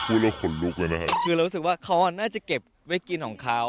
คือเรารู้สึกว่าเขาน่าจะเก็บไว้กินของเขา